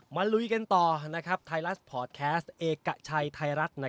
ลุยกันต่อไทยรัฐพอร์ตแคสต์เอกชัยไทยรัฐ